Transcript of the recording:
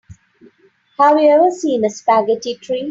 Have you ever seen a spaghetti tree?